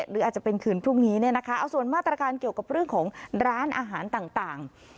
หรืออาจจะเป็นคืนพรุ่งนี้เนี่ยนะคะเอาส่วนมาตรการเกี่ยวกับเรื่องของร้านอาหารต่าง